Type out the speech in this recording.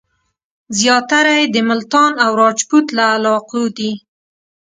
زیاتره یې د ملتان او راجپوت له علاقو دي.